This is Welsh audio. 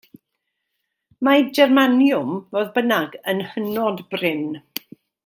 Mae germaniwm, fodd bynnag yn hynod brin.